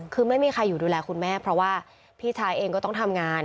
คือไม่มีใครอยู่ดูแลคุณแม่เพราะว่าพี่ชายเองก็ต้องทำงาน